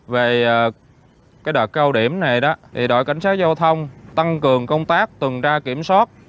về đợt cao điểm này đó đội cảnh sát giao thông tăng cường công tác tuần tra kiểm soát